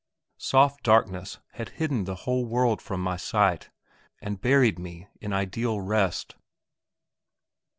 Soft darkness had hidden the whole world from my sight, and buried me in ideal rest.